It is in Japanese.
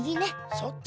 そっち？